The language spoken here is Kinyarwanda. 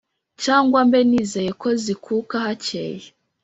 Cyangwa mbe nizeye Ko zikuka hakeye?